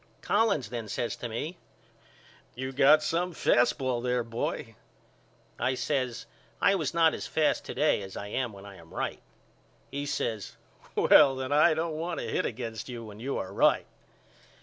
Collins then says to me You got some fast ball there boy. I says I was not as fast to day as I am when I am right. He says Well then I don't want to hit against you when you are right.